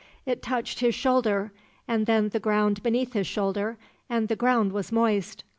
It touched his shoulder, and then the ground beneath his shoulder, and the ground was moist.